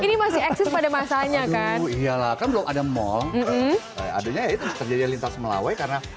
ini masih eksis pada masanya kan iyalah kan belum ada mal adanya itu terjadi lintas melawe karena